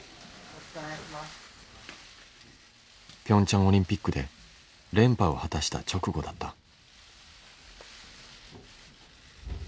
ピョンチャンオリンピックで連覇を果たした直後だった。